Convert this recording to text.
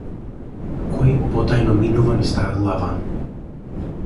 Кој потајно минува низ таа глава.